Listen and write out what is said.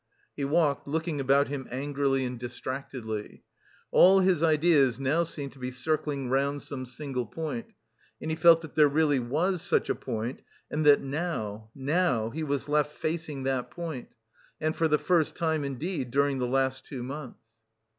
He walked, looking about him angrily and distractedly. All his ideas now seemed to be circling round some single point, and he felt that there really was such a point, and that now, now, he was left facing that point and for the first time, indeed, during the last two months.